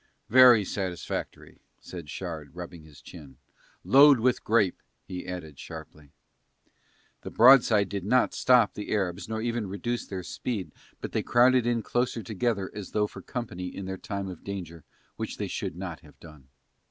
"Very satisfactory," said Shard rubbing his chin. "Load with grape," he added sharply. The broadside did not stop the Arabs nor even reduce their speed but they crowded in closer together as though for company in their time of danger, which they should not have done.